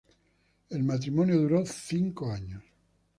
El matrimonio duró cinco años.